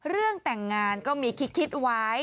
เรื่องแต่งงานก็มีคิดไว้